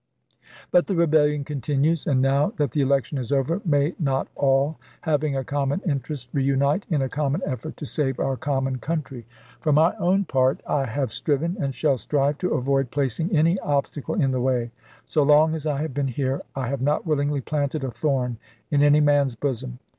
But the rebellion continues; and, now that the election is over, may not all having a common interest reunite in a common effort to save our common country f For my LINCOLN REELECTED 381 own part, I have striven and shall strive to avoid placing chap. xvi. any obstacle in the way. So long as I have been here, I have not willingly planted a thorn in any man's bosom.